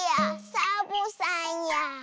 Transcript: サボさんや。